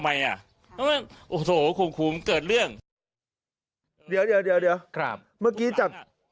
เมื่อกี้จะ